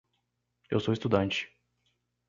Eu sou estudante.